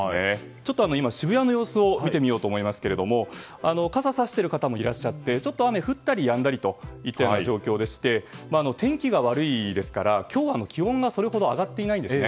今、渋谷の様子を見てみようと思いますけど傘をさしている方もいらっしゃってちょっと雨が降ったりやんだりといった状況でして天気が悪いですから今日は気温がそれほど上がっていないんですね。